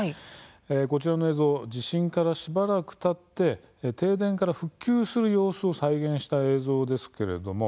こちらの映像は地震から、しばらくたち停電から復旧する様子を再現したものです。